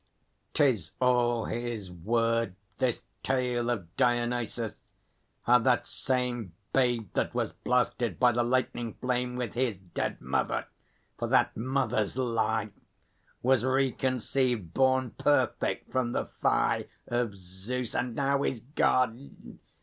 'Tis all his word, This tale of Dionysus; how that same Babe that was blasted by the lightning flame With his dead mother, for that mother's lie, Was re conceived, born perfect from the thigh Of Zeus, and now is God!